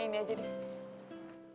yang ini aja nih